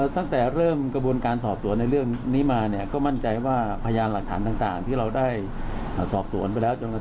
ตั้งแต่เริ่มกระบวนการสอบสวนในเรื่องนี้มาเนี่ยก็มั่นใจว่าพยานหลักฐานต่างที่เราได้สอบสวนไปแล้วจนกระทั่ง